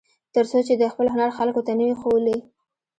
تر څو چې دې خپل هنر خلکو ته نه وي ښوولی.